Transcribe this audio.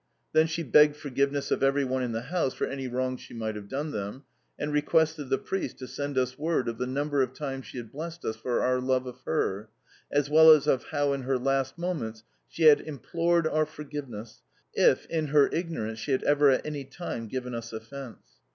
Then she begged forgiveness of every one in the house for any wrong she might have done them, and requested the priest to send us word of the number of times she had blessed us for our love of her, as well as of how in her last moments she had implored our forgiveness if, in her ignorance, she had ever at any time given us offence.